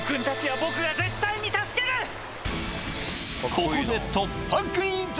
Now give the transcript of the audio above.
ここで突破クイズ！